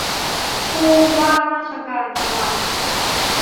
ผู้ว่าราชการจังหวัด